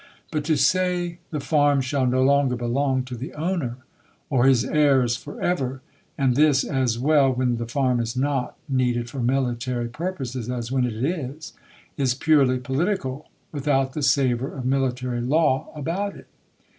But to say the fa, rm shall no longer belong to the owner, or his heirs for ever, and this, as well when the farm is not needed for military purposes as when it is, is purely political, without the savor of military law about it.